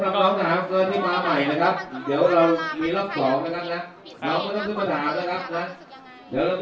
ก็จะมาใหม่นะครับเดี๋ยวเรามีรอบสองนะครับนะครับ